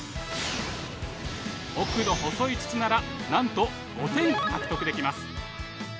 奥の細い筒ならなんと５点獲得できます。